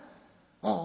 「ああ。